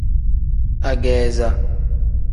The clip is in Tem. Ageeza.